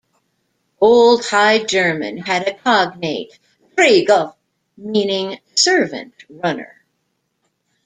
Old High German had a cognate, "dregil", meaning "servant, runner".